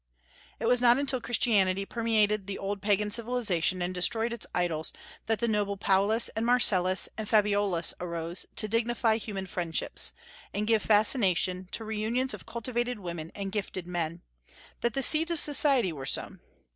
It was not until Christianity permeated the old Pagan civilization and destroyed its idols, that the noble Paulas and Marcellas and Fabiolas arose to dignify human friendships, and give fascination to reunions of cultivated women and gifted men; that the seeds of society were sown.